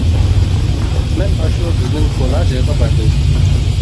مەن ئاشۇ بىزنىڭ كونا جايغا باردىم.